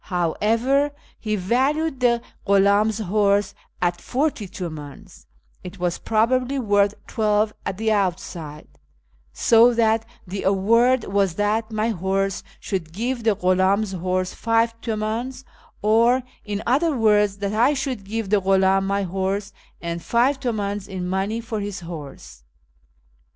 However, he valued the ghuldm's horse at forty tiimdns (it was probably worth twelve at the outside), so that the " award " was that my horse should " give " tlie ghuldms horse five tumdns, or, in other w^ords, that I should give the ghuldm my horse and five tumdns in money for his horse.